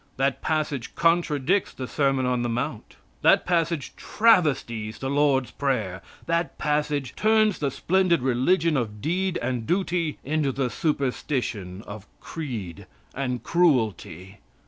That passage contradicts the sermon on the mount. That passage travesties the Lord's prayer. That passage turns the splendid religion of deed and duty into the superstition of creed and cruelty.